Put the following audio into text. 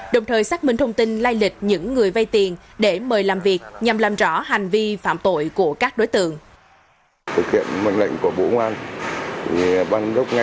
đồng thời xác minh thông tin lai lịch những người vay tiền để mời làm việc nhằm làm rõ hành vi phạm tội của các đối tượng